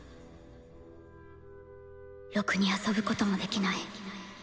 ろくに遊ぶこともできない。